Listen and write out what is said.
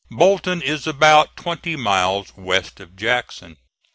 Bolton is about twenty miles west of Jackson.